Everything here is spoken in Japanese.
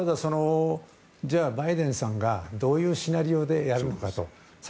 バイデンさんがどういうシナリオでやるのかと。